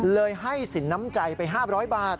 ให้สินน้ำใจไป๕๐๐บาท